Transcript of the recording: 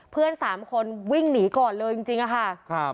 เพื่อนสามคนวิ่งหนีก่อนเลยจริงอะค่ะ